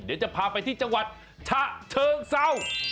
เดี๋ยวจะพาไปที่จังหวัดฉะเชิงเศร้า